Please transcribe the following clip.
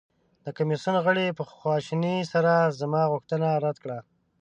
د کمیسیون غړي په خواشینۍ سره زما غوښتنه رد کړه.